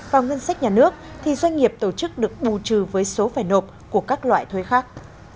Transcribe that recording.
vào ngân sách nhà nước thì doanh nghiệp tổ chức được bù trừ với số phải nộp của các loại thuế khác